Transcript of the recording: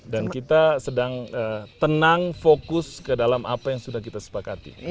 dan kita sedang tenang fokus ke dalam apa yang sudah kita sepakati